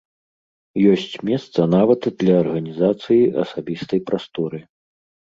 Ёсць месца нават для арганізацыі асабістай прасторы.